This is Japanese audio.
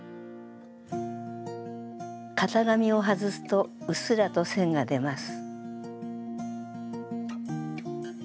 型紙を外すとうっすらと線が出ます。